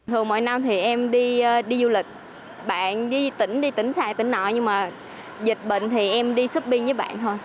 thường mỗi năm thì em đi du lịch bạn đi tỉnh đi tỉnh khai tỉnh nọ nhưng mà dịch bệnh thì em đi shopping với bạn thôi